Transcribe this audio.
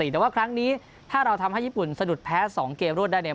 แต่ว่าครั้งนี้ถ้าเราทำให้ญี่ปุ่นสะดุดแพ้๒เกมรวดได้เนี่ย